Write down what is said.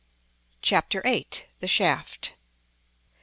CHAPTER VIII. THE SHAFT.